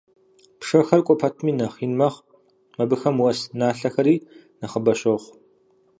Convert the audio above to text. Пшэхэр кӀуэ пэтми нэхъ ин мэхъу, абыхэм уэс налъэхэри нэхъыбэ щохъу.